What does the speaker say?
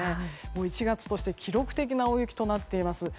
１月として記録的な大雪となっています。